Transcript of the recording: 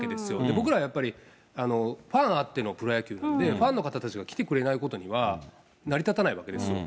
僕らはやっぱり、ファンあってのプロ野球なんで、ファンの方たちが来てくれないことには成り立たないわけですよ。